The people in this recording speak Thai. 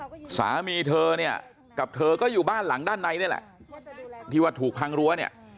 สามีเธอเนี่ยกับเธอก็อยู่บ้านหลังด้านในนี่แหละที่ว่าถูกพังรั้วเนี่ย